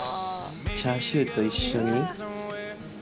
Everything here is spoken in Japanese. チャーシューと一緒に。